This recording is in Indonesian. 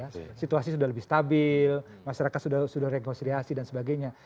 masyarakat sudah lebih stabil masyarakat sudah rekonsiliasi dan sebagainya